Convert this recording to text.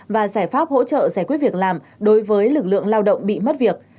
và giải pháp hỗ trợ giải quyết việc làm đối với lực lượng lao động bị mất việc